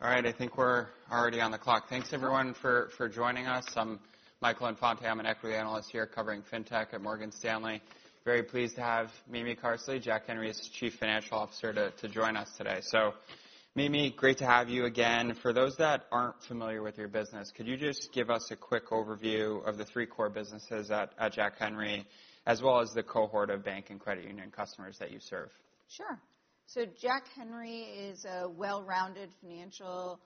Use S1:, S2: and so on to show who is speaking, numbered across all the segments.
S1: All right. I think we're already on the clock. Thanks, everyone, for joining us. I'm Michael Infante. I'm an equity analyst here covering fintech at Morgan Stanley. Very pleased to have Mimi Carsley, Jack Henry's Chief Financial Officer, to join us today. So, Mimi, great to have you again. For those that aren't familiar with your business, could you just give us a quick overview of the three core businesses at Jack Henry, as well as the cohort of bank and credit union customers that you serve?
S2: Sure. So Jack Henry is a well-rounded financial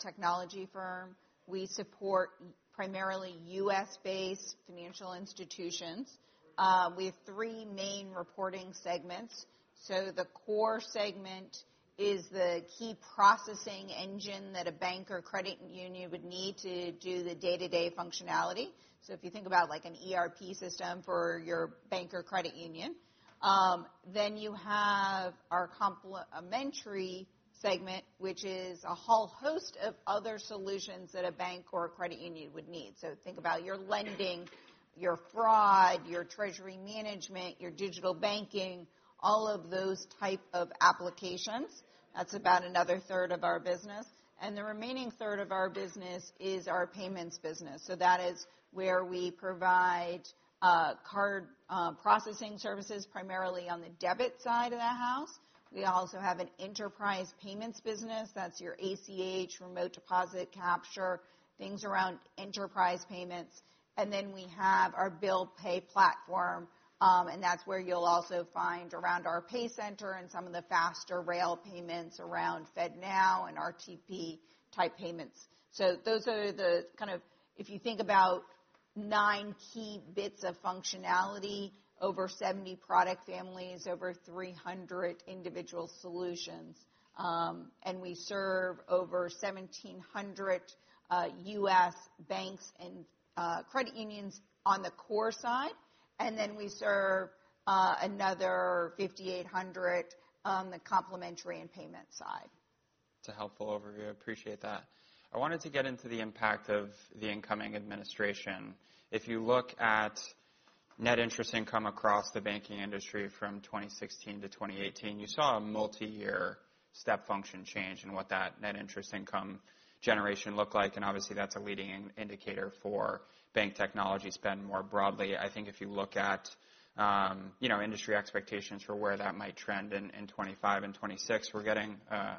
S2: technology firm. We support primarily U.S.-based financial institutions. We have three main reporting segments. So the Core Segment is the key processing engine that a bank or credit union would need to do the day-to-day functionality. So if you think about an ERP system for your bank or credit union, then you have our Complementary segment, which is a whole host of other solutions that a bank or credit union would need. So think about your lending, your fraud, your treasury management, your digital banking, all of those types of applications. That's about another third of our business. And the remaining third of our business is our Payments business. So that is where we provide card processing services, primarily on the debit side of the house. We also have an enterprise Payments business. That's your ACH, remote deposit capture, things around enterprise payments, and then we have our bill pay platform, and that's where you'll also find around our PayCenter and some of the faster rail payments around FedNow and RTP-type payments, so those are the kind of, if you think about nine key bits of functionality, over 70 product families, over 300 individual solutions, and we serve over 1,700 U.S. banks and credit unions on the core side, and then we serve another 5,800 on the complementary and payment side.
S1: That's a helpful overview. I appreciate that. I wanted to get into the impact of the incoming administration. If you look at net interest income across the banking industry from 2016 to 2018, you saw a multi-year step function change in what that net interest income generation looked like. And obviously, that's a leading indicator for bank technology spend more broadly. I think if you look at industry expectations for where that might trend in 2025 and 2026, we're getting,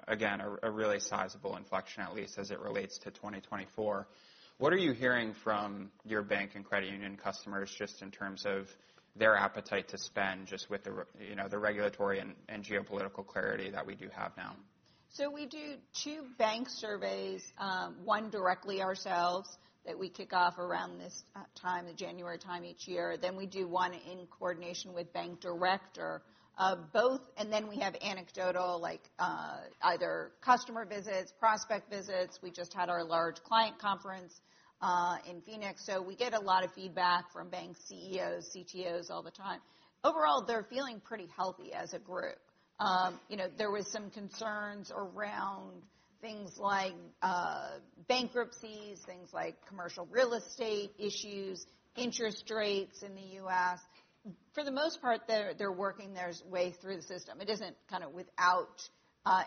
S1: again, a really sizable inflection, at least as it relates to 2024. What are you hearing from your bank and credit union customers just in terms of their appetite to spend just with the regulatory and geopolitical clarity that we do have now?
S2: So we do two bank surveys, one directly ourselves that we kick off around this time, the January time each year. Then we do one in coordination with Bank Director of both. And then we have anecdotal, like either customer visits, prospect visits. We just had our large client conference in Phoenix. So we get a lot of feedback from bank CEOs, CTOs all the time. Overall, they're feeling pretty healthy as a group. There were some concerns around things like bankruptcies, things like commercial real estate issues, interest rates in the U.S. For the most part, they're working their way through the system. It isn't kind of without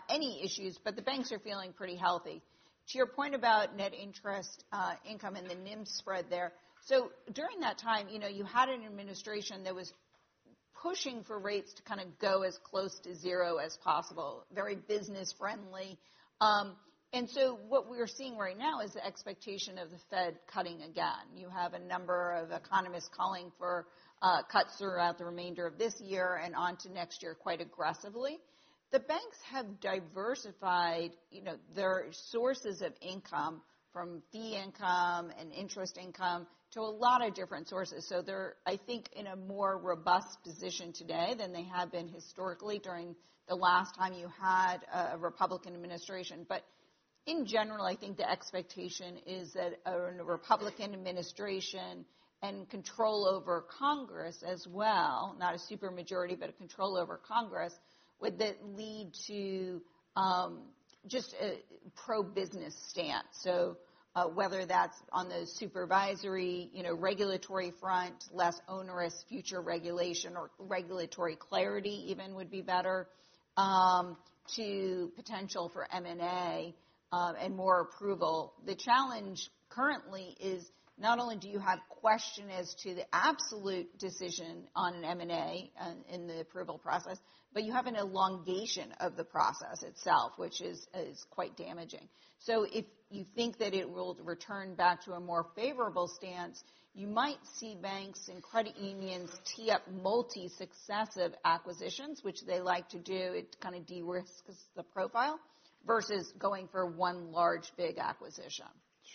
S2: any issues, but the banks are feeling pretty healthy. To your point about net interest income and the NIM spread there, so during that time, you had an administration that was pushing for rates to kind of go as close to zero as possible, very business-friendly, and so what we're seeing right now is the expectation of the Fed cutting again. You have a number of economists calling for cuts throughout the remainder of this year and on to next year quite aggressively. The banks have diversified their sources of income from fee income and interest income to a lot of different sources, so they're, I think, in a more robust position today than they have been historically during the last time you had a Republican administration, but in general, I think the expectation is that a Republican administration and control over Congress as well, not a supermajority, but control over Congress, would lead to just a pro-business stance. So whether that's on the supervisory regulatory front, less onerous future regulation or regulatory clarity even would be better, to potential for M&A and more approval. The challenge currently is not only do you have question as to the absolute decision on an M&A in the approval process, but you have an elongation of the process itself, which is quite damaging. So if you think that it will return back to a more favorable stance, you might see banks and credit unions tee up multi-successive acquisitions, which they like to do. It kind of de-risk the profile versus going for one large big acquisition.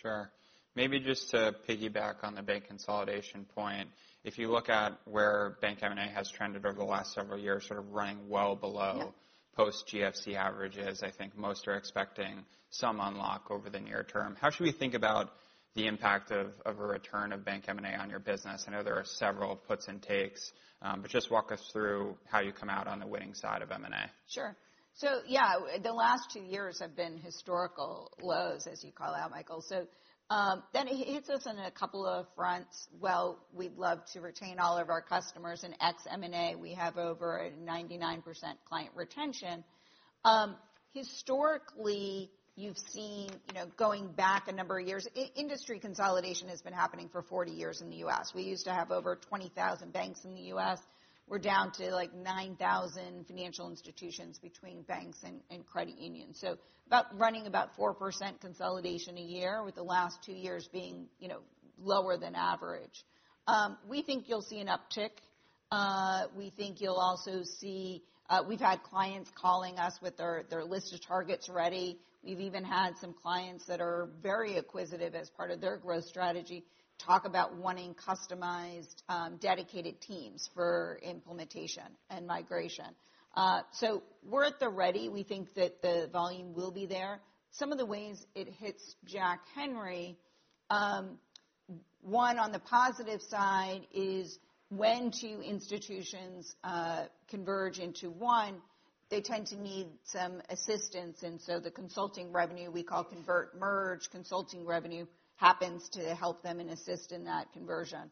S1: Sure. Maybe just to piggyback on the bank consolidation point, if you look at where Bank M&A has trended over the last several years, sort of running well below post-GFC averages, I think most are expecting some unlock over the near term. How should we think about the impact of a return of Bank M&A on your business? I know there are several puts and takes, but just walk us through how you come out on the winning side of M&A.
S2: Sure. So yeah, the last two years have been historical lows, as you call out, Michael. So then it hits us on a couple of fronts. Well, we'd love to retain all of our customers in ex-M&A. We have over a 99% client retention. Historically, you've seen going back a number of years, industry consolidation has been happening for 40 years in the U.S. We used to have over 20,000 banks in the U.S. We're down to like 9,000 financial institutions between banks and credit unions. So running about 4% consolidation a year with the last two years being lower than average. We think you'll see an uptick. We think you'll also see we've had clients calling us with their list of targets ready. We've even had some clients that are very acquisitive as part of their growth strategy talk about wanting customized, dedicated teams for implementation and migration. So we're at the ready. We think that the volume will be there. Some of the ways it hits Jack Henry, one on the positive side is when two institutions converge into one, they tend to need some assistance. And so the consulting revenue we call convert-merge consulting revenue happens to help them and assist in that conversion.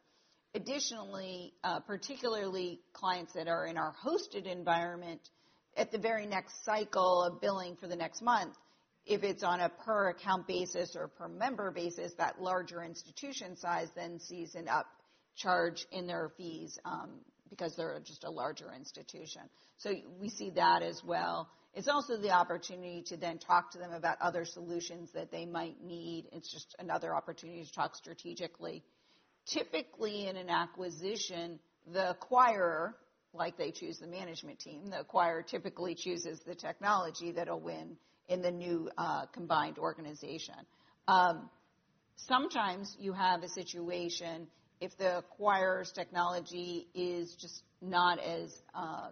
S2: Additionally, particularly clients that are in our hosted environment, at the very next cycle of billing for the next month, if it's on a per-account basis or per-member basis, that larger institution size then sees an upcharge in their fees because they're just a larger institution. So we see that as well. It's also the opportunity to then talk to them about other solutions that they might need. It's just another opportunity to talk strategically. Typically, in an acquisition, the acquirer, like they choose the management team, the acquirer typically chooses the technology that will win in the new combined organization. Sometimes you have a situation if the acquirer's technology is just not as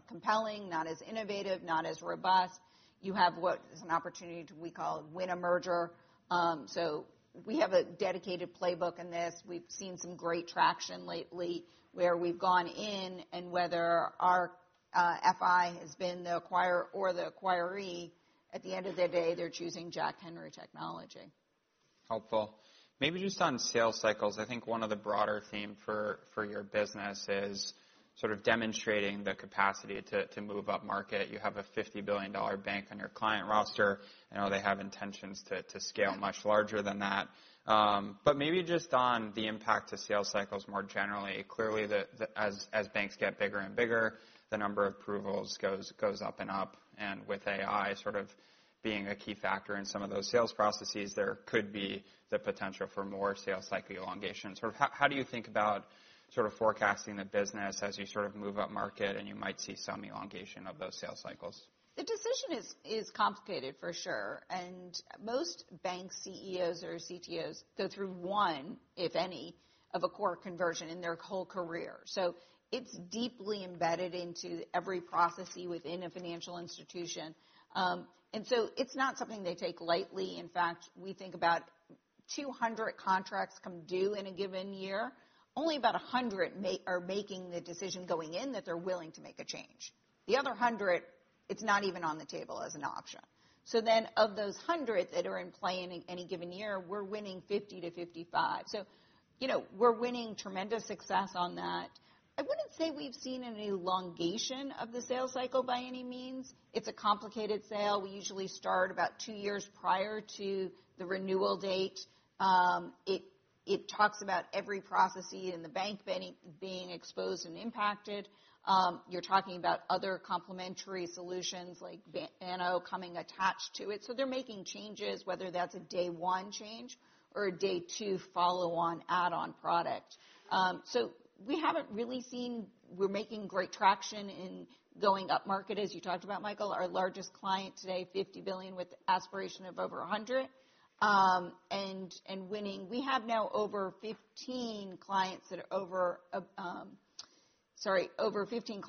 S2: compelling, not as innovative, not as robust, you have what is an opportunity we call win in a merger. So we have a dedicated playbook in this. We've seen some great traction lately where we've gone in and whether our FI has been the acquirer or the acquiree, at the end of the day, they're choosing Jack Henry technology.
S1: Helpful. Maybe just on sales cycles, I think one of the broader themes for your business is sort of demonstrating the capacity to move up market. You have a $50 billion bank on your client roster. I know they have intentions to scale much larger than that. But maybe just on the impact to sales cycles more generally, clearly, as banks get bigger and bigger, the number of approvals goes up and up. And with AI sort of being a key factor in some of those sales processes, there could be the potential for more sales cycle elongation. So how do you think about sort of forecasting the business as you sort of move up market and you might see some elongation of those sales cycles?
S2: The decision is complicated, for sure, and most bank CEOs or CTOs go through one, if any, of a core conversion in their whole career, so it's deeply embedded into every process within a financial institution, and so it's not something they take lightly. In fact, we think about 200 contracts come due in a given year. Only about 100 are making the decision going in that they're willing to make a change. The other 100, it's not even on the table as an option, so then of those 100 that are in play in any given year, we're winning 50 to 55, so we're winning tremendous success on that. I wouldn't say we've seen an elongation of the sales cycle by any means. It's a complicated sale. We usually start about two years prior to the renewal date. It talks about every process in the bank being exposed and impacted. You're talking about other complementary solutions like Banno coming attached to it. They're making changes, whether that's a day-one change or a day-two follow-on add-on product. We haven't really seen we're making great traction in going up market, as you talked about, Michael. Our largest client today, $50 billion with aspiration of over $100 billion and winning. We have now over 15 clients that are over $15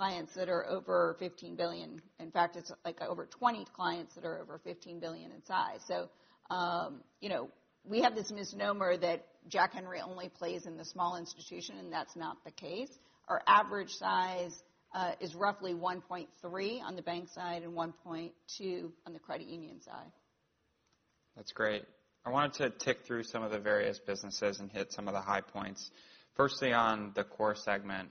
S2: billion. In fact, it's like over 20 clients that are over $15 billion in size. We have this misnomer that Jack Henry only plays in the small institution, and that's not the case. Our average size is roughly $1.3 billion on the bank side and $1.2 billion on the credit union side.
S1: That's great. I wanted to tick through some of the various businesses and hit some of the high points. Firstly, on the Core Segment,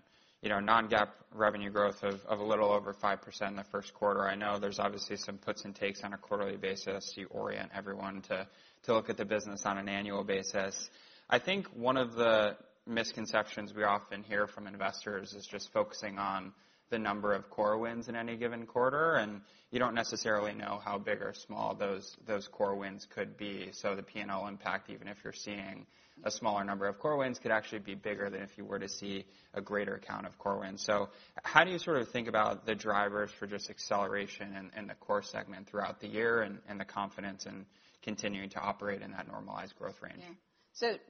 S1: Non-GAAP revenue growth of a little over 5% in the first quarter. I know there's obviously some puts and takes on a quarterly basis. You orient everyone to look at the business on an annual basis. I think one of the misconceptions we often hear from investors is just focusing on the number of core wins in any given quarter, and you don't necessarily know how big or small those core wins could be, so the P&L impact, even if you're seeing a smaller number of core wins, could actually be bigger than if you were to see a greater count of core wins. So how do you sort of think about the drivers for just acceleration in the Core Segment throughout the year and the confidence in continuing to operate in that normalized growth range?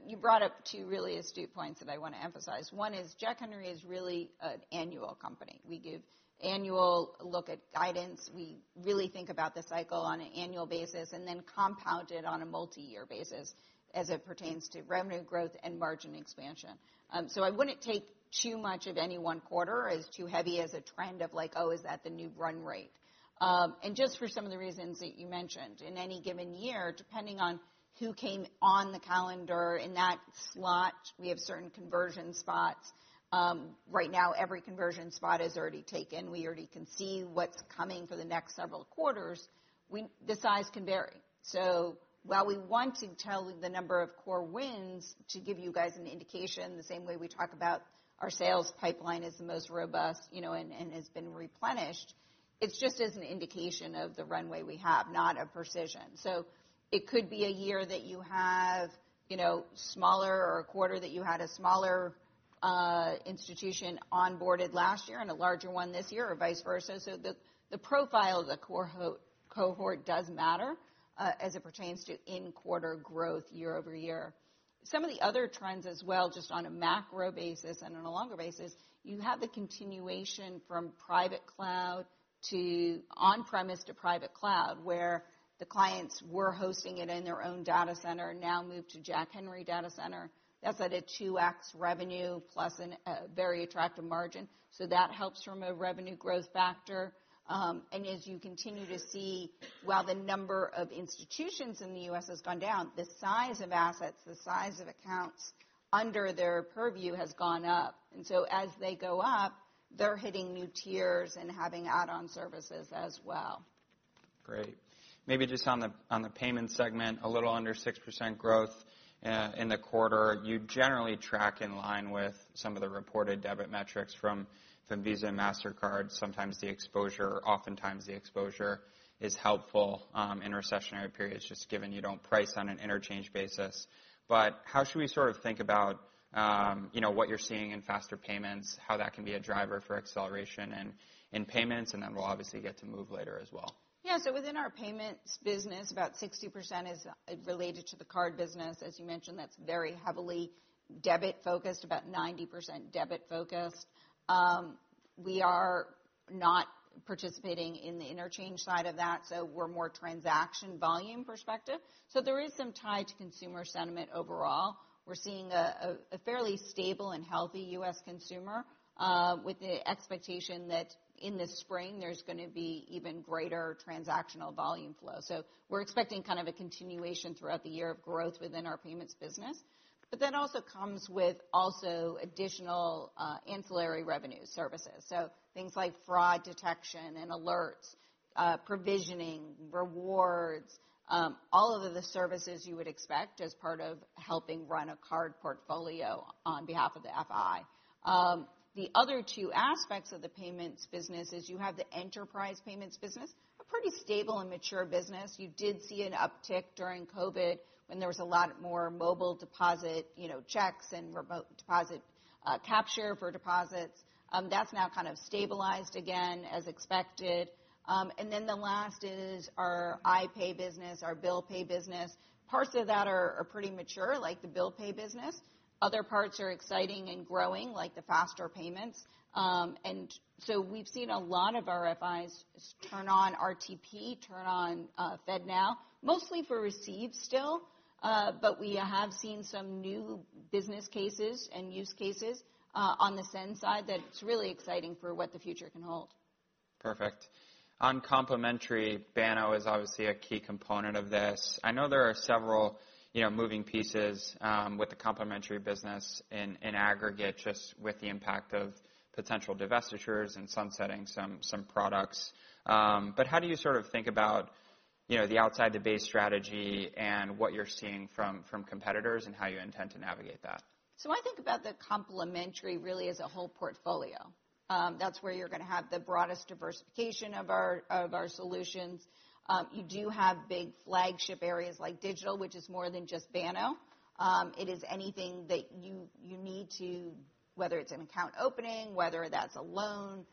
S2: You brought up two really astute points that I want to emphasize. One is Jack Henry is really an annual company. We give annual look at guidance. We really think about the cycle on an annual basis and then compound it on a multi-year basis as it pertains to revenue growth and margin expansion. I wouldn't take too much of any one quarter as too heavy as a trend of like, "Oh, is that the new run rate?" And just for some of the reasons that you mentioned, in any given year, depending on who came on the calendar in that slot, we have certain conversion spots. Right now, every conversion spot is already taken. We already can see what's coming for the next several quarters. The size can vary. So while we want to tell the number of core wins to give you guys an indication, the same way we talk about our sales pipeline is the most robust and has been replenished. It's just as an indication of the runway we have, not a precision. So it could be a year that you have smaller or a quarter that you had a smaller institution onboarded last year and a larger one this year or vice versa. So the profile of the cohort does matter as it pertains to in-quarter growth year-over-year. Some of the other trends as well, just on a macro basis and on a longer basis, you have the continuation from private cloud to on-premise to private cloud where the clients were hosting it in their own data center, now moved to Jack Henry data center. That's at a 2x revenue plus a very attractive margin. So that helps from a revenue growth factor. And as you continue to see, while the number of institutions in the U.S. has gone down, the size of assets, the size of accounts under their purview has gone up. And so as they go up, they're hitting new tiers and having add-on services as well.
S1: Great. Maybe just on the Payments segment, a little under 6% growth in the quarter. You generally track in line with some of the reported debit metrics from Visa and Mastercard. Sometimes the exposure, oftentimes the exposure is helpful in recessionary periods just given you don't price on an interchange basis. But how should we sort of think about what you're seeing in faster payments, how that can be a driver for acceleration in payments, and then we'll obviously get to Moov later as well?
S2: Yeah, so within our Payments business, about 60% is related to the card business. As you mentioned, that's very heavily debit-focused, about 90% debit-focused. We are not participating in the interchange side of that. So we're more transaction volume perspective. So there is some tie to consumer sentiment overall. We're seeing a fairly stable and healthy U.S. consumer with the expectation that in the spring, there's going to be even greater transactional volume flow. So we're expecting kind of a continuation throughout the year of growth within our Payments business. But that also comes with additional ancillary revenue services. So things like fraud detection and alerts, provisioning, rewards, all of the services you would expect as part of helping run a card portfolio on behalf of the FI. The other two aspects of the Payments business is you have the enterprise Payments business, a pretty stable and mature business. You did see an uptick during COVID when there was a lot more mobile deposit checks and remote deposit capture for deposits. That's now kind of stabilized again as expected, and then the last is our iPay business, our Bill Pay business. Parts of that are pretty mature, like the Bill Pay business. Other parts are exciting and growing, like the faster payments, and so we've seen a lot of our FIs turn on RTP, turn on FedNow, mostly for receipts still, but we have seen some new business cases and use cases on the send side that it's really exciting for what the future can hold.
S1: Perfect. On complementary, Banno is obviously a key component of this. I know there are several moving pieces with the complementary business in aggregate just with the impact of potential divestitures and sunsetting some products. But how do you sort of think about the outside-the-base strategy and what you're seeing from competitors and how you intend to navigate that?
S2: So I think about the complementary really as a whole portfolio. That's where you're going to have the broadest diversification of our solutions. You do have big flagship areas like digital, which is more than just Banno. It is anything that you need to, whether it's an account opening, whether that's a loan,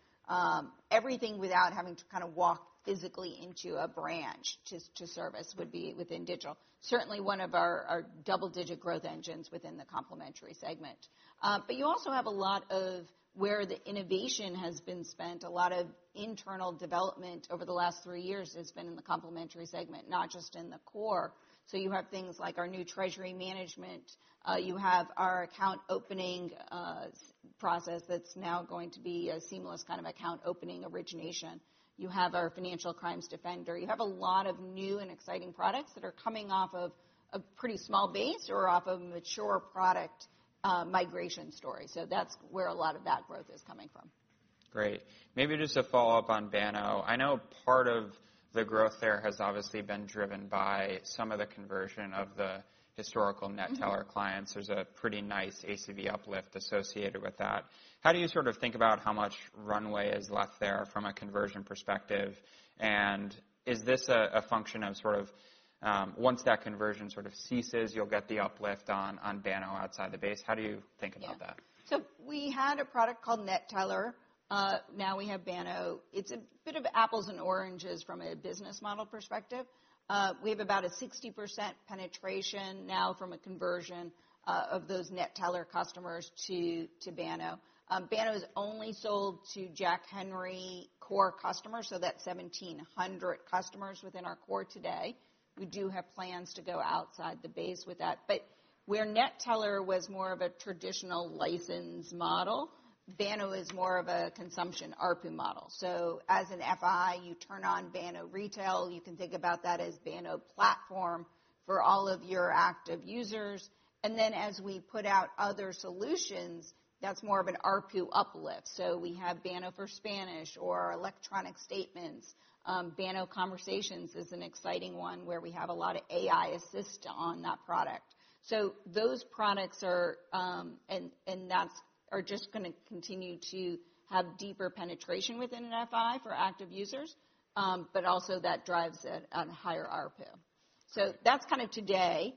S2: everything without having to kind of walk physically into a branch to service would be within digital. Certainly one of our double-digit growth engines within the Complementary segment. But you also have a lot of where the innovation has been spent. A lot of internal development over the last three years has been in the Complementary segment, not just in the core. So you have things like our new treasury management. You have our account opening process that's now going to be a seamless kind of account opening origination. You have our Financial Crimes Defender. You have a lot of new and exciting products that are coming off of a pretty small base or off of a mature product migration story, so that's where a lot of that growth is coming from.
S1: Great. Maybe just a follow-up on Banno. I know part of the growth there has obviously been driven by some of the conversion of the historical NetTeller clients. There's a pretty nice ACV uplift associated with that. How do you sort of think about how much runway is left there from a conversion perspective? And is this a function of sort of once that conversion sort of ceases, you'll get the uplift on Banno outside the base? How do you think about that?
S2: Yeah. So we had a product called NetTeller. Now we have Banno. It's a bit of apples and oranges from a business model perspective. We have about a 60% penetration now from a conversion of those NetTeller customers to Banno. Banno is only sold to Jack Henry core customers. So that's 1,700 customers within our core today. We do have plans to go outside the base with that. But where NetTeller was more of a traditional license model, Banno is more of a consumption ARPU model. So as an FI, you turn on Banno Retail. You can think about that as Banno Platform for all of your active users. And then as we put out other solutions, that's more of an ARPU uplift. So we have Banno for Spanish or electronic statements. Banno Conversations is an exciting one where we have a lot of AI assist on that product. So those products are, and that's, are just going to continue to have deeper penetration within an FI for active users, but also that drives it on higher ARPU. So that's kind of today.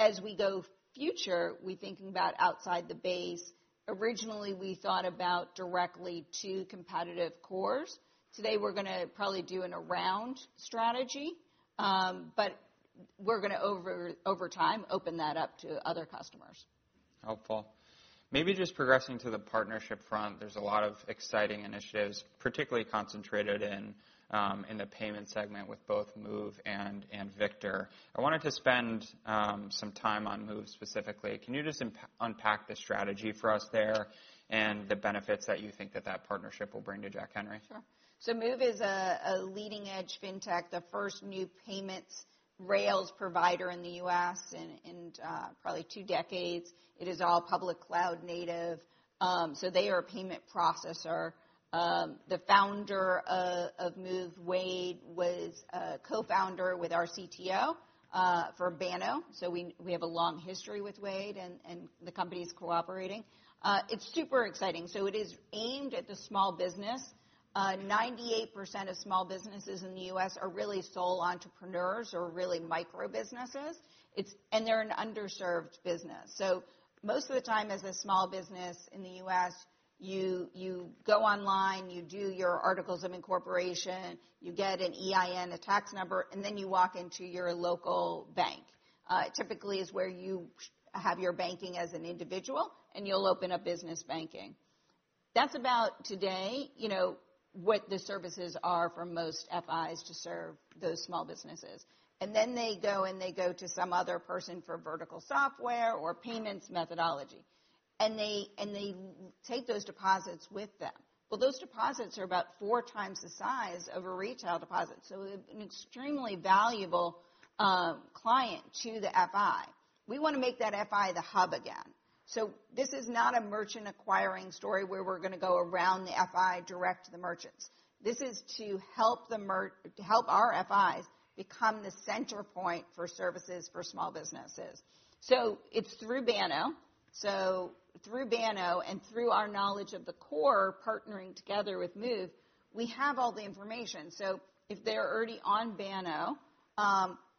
S2: As we go future, we're thinking about outside the base. Originally, we thought about directly to competitive cores. Today, we're going to probably do an around strategy, but we're going to over time open that up to other customers.
S1: Helpful. Maybe just progressing to the partnership front, there's a lot of exciting initiatives, particularly concentrated in the Payments segment with both Moov and Victor. I wanted to spend some time on Moov specifically. Can you just unpack the strategy for us there and the benefits that you think that that partnership will bring to Jack Henry?
S2: Sure. So Moov is a leading-edge fintech, the first new payments rails provider in the U.S. in probably two decades. It is all public cloud native. So they are a payment processor. The founder of Moov, Wade, was co-founder with our CTO for Banno. So we have a long history with Wade and the company is cooperating. It's super exciting. So it is aimed at the small business. 98% of small businesses in the U.S. are really sole entrepreneurs or really micro businesses. And they're an underserved business. So most of the time as a small business in the U.S., you go online, you do your articles of incorporation, you get an EIN, a tax number, and then you walk into your local bank. Typically, it's where you have your banking as an individual and you'll open up business banking. That's about what the services are today for most FIs to serve those small businesses, and then they go to some other person for vertical software or payments methodology. They take those deposits with them. Well, those deposits are about four times the size of a retail deposit, so an extremely valuable client to the FI. We want to make that FI the hub again. This is not a merchant acquiring story where we're going to go around the FI direct to the merchants. This is to help our FIs become the center point for services for small businesses. It's through Banno, so through Banno and through our knowledge of the core partnering together with Moov, we have all the information. So if they're already on Banno,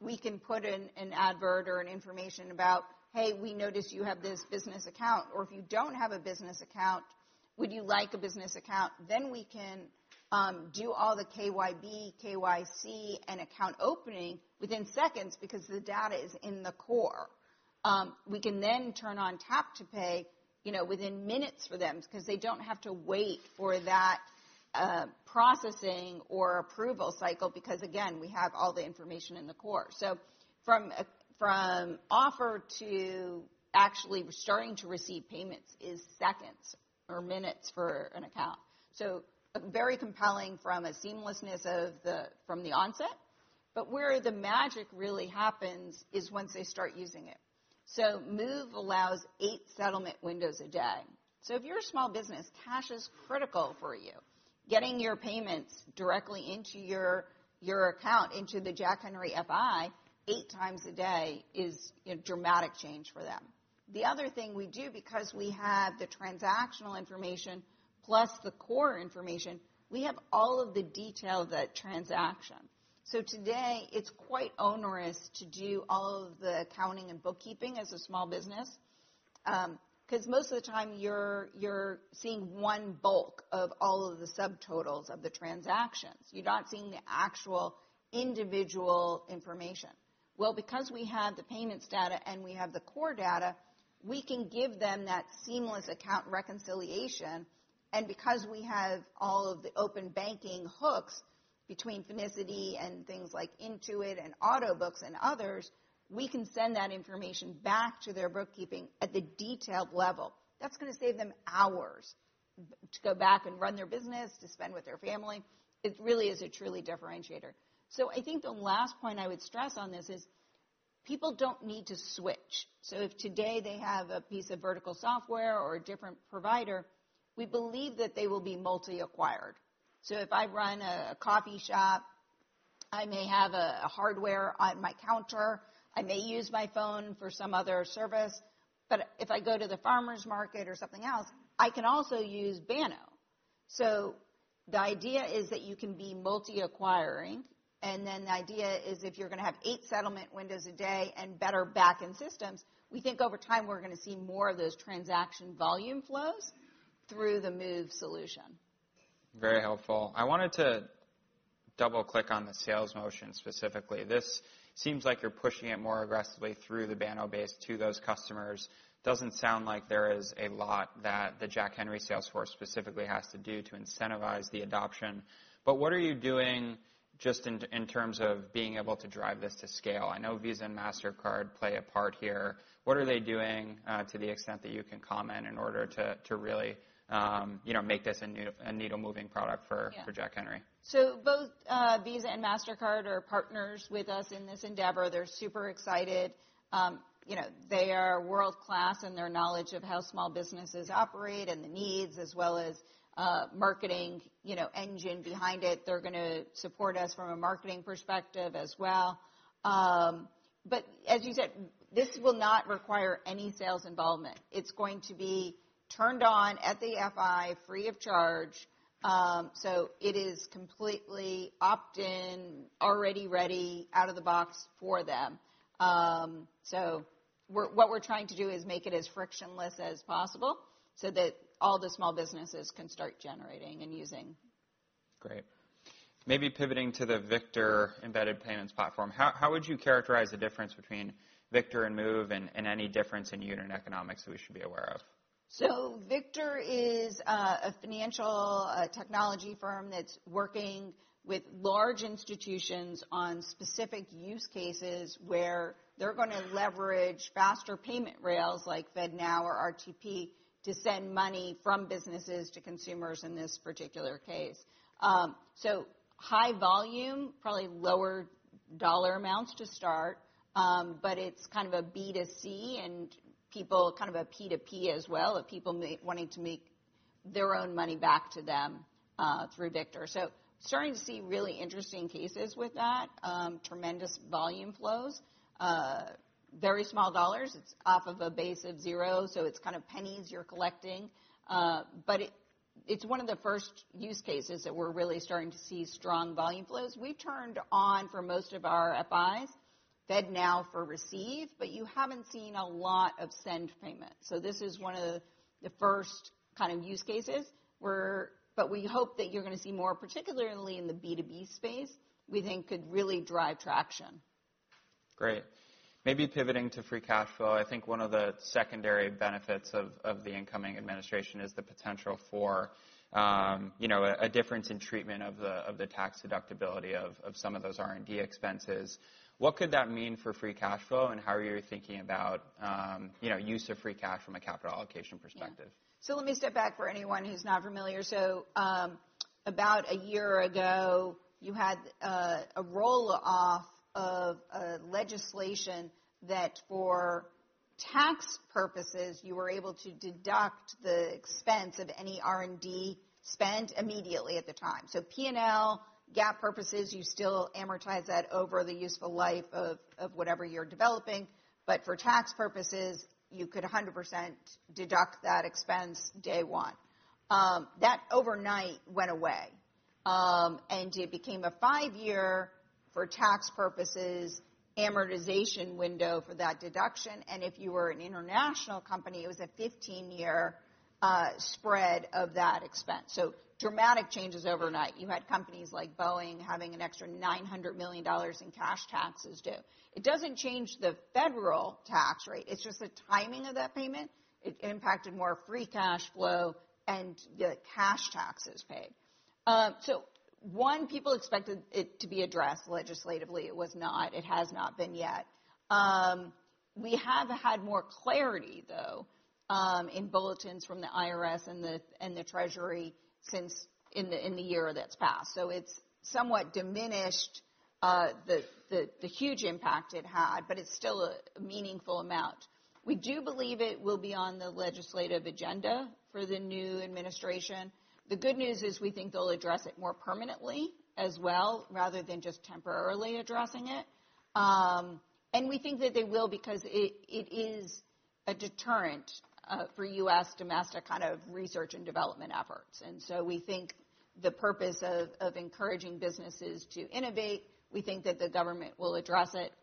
S2: we can put in an advert or an information about, "Hey, we noticed you have this business account." Or if you don't have a business account, would you like a business account? Then we can do all the KYB, KYC, and account opening within seconds because the data is in the core. We can then turn on tap to pay within minutes for them because they don't have to wait for that processing or approval cycle because, again, we have all the information in the core. So from offer to actually starting to receive payments is seconds or minutes for an account. So very compelling from a seamlessness from the onset. But where the magic really happens is once they start using it. So Moov allows eight settlement windows a day. So if you're a small business, cash is critical for you. Getting your payments directly into your account, into the Jack Henry FI, eight times a day is a dramatic change for them. The other thing we do, because we have the transactional information plus the core information, we have all of the detail of that transaction, so today, it's quite onerous to do all of the accounting and bookkeeping as a small business because most of the time you're seeing one bulk of all of the subtotals of the transactions. You're not seeing the actual individual information, well, because we have the payments data and we have the core data, we can give them that seamless account reconciliation, and because we have all of the open banking hooks between Finicity and things like Intuit and Autobooks and others, we can send that information back to their bookkeeping at the detailed level. That's going to save them hours to go back and run their business, to spend with their family. It really is a truly differentiator, so I think the last point I would stress on this is people don't need to switch, so if today they have a piece of vertical software or a different provider, we believe that they will be multi-acquired. So if I run a coffee shop, I may have hardware on my counter. I may use my phone for some other service. But if I go to the farmer's market or something else, I can also use Banno, so the idea is that you can be multi-acquiring, and then the idea is if you're going to have eight settlement windows a day and better backend systems, we think over time we're going to see more of those transaction volume flows through the Moov solution.
S1: Very helpful. I wanted to double-click on the sales motion specifically. This seems like you're pushing it more aggressively through the Banno base to those customers. Doesn't sound like there is a lot that the Jack Henry sales force specifically has to do to incentivize the adoption. But what are you doing just in terms of being able to drive this to scale? I know Visa and Mastercard play a part here. What are they doing to the extent that you can comment in order to really make this a needle-moving product for Jack Henry?
S2: Both Visa and Mastercard are partners with us in this endeavor. They're super excited. They are world-class in their knowledge of how small businesses operate and the needs, as well as marketing engine behind it. They're going to support us from a marketing perspective as well. But as you said, this will not require any sales involvement. It's going to be turned on at the FI, free of charge. It is completely opt-in, already ready, out of the box for them. What we're trying to do is make it as frictionless as possible so that all the small businesses can start generating and using.
S1: Great. Maybe pivoting to the Victor embedded payments platform. How would you characterize the difference between Victor and Moov and any difference in unit economics that we should be aware of?
S2: Victor is a financial technology firm that's working with large institutions on specific use cases where they're going to leverage faster payment rails like FedNow or RTP to send money from businesses to consumers in this particular case. High volume, probably lower dollar amounts to start, but it's kind of a B2C and people kind of a P2P as well, of people wanting to make their own money back to them through Victor. Starting to see really interesting cases with that, tremendous volume flows, very small dollars. It's off of a base of zero, so it's kind of pennies you're collecting. But it's one of the first use cases that we're really starting to see strong volume flows. We turned on for most of our FIs, FedNow for receive, but you haven't seen a lot of send payments. This is one of the first kind of use cases. But we hope that you're going to see more, particularly in the B2B space, we think could really drive traction.
S1: Great. Maybe pivoting to free cash flow. I think one of the secondary benefits of the incoming administration is the potential for a difference in treatment of the tax deductibility of some of those R&D expenses. What could that mean for free cash flow and how are you thinking about use of free cash from a capital allocation perspective?
S2: So let me step back for anyone who's not familiar. So about a year ago, you had a roll-off of legislation that for tax purposes, you were able to deduct the expense of any R&D spent immediately at the time. So P&L, GAAP purposes, you still amortize that over the useful life of whatever you're developing. But for tax purposes, you could 100% deduct that expense day one. That overnight went away. And it became a five-year for tax purposes amortization window for that deduction. And if you were an international company, it was a 15-year spread of that expense. So dramatic changes overnight. You had companies like Boeing having an extra $900 million in cash taxes due. It doesn't change the federal tax rate. It's just the timing of that payment. It impacted more free cash flow and the cash taxes paid. So one, people expected it to be addressed legislatively. It was not. It has not been yet. We have had more clarity, though, in bulletins from the IRS and the Treasury since in the year that's passed. So it's somewhat diminished the huge impact it had, but it's still a meaningful amount. We do believe it will be on the legislative agenda for the new administration. The good news is we think they'll address it more permanently as well, rather than just temporarily addressing it. And we think that they will because it is a deterrent for U.S. domestic kind of research and development efforts. And so we think the purpose of encouraging businesses to innovate, we think that the government will address it.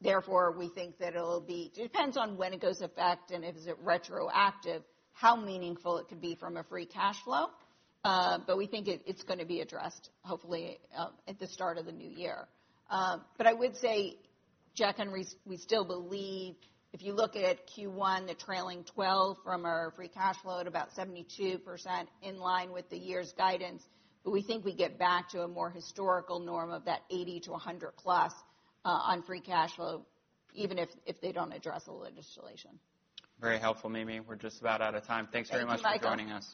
S2: Therefore, we think that it'll be. It depends on when it goes into effect and if it's retroactive, how meaningful it could be from a free cash flow. But we think it's going to be addressed, hopefully, at the start of the new year. But I would say, Jack Henry, we still believe if you look at Q1, the trailing 12 from our free cash flow at about 72% in line with the year's guidance, but we think we get back to a more historical norm of that 80%-100%+ on free cash flow, even if they don't address the legislation.
S1: Very helpful, Mimi. We're just about out of time. Thanks very much for joining us.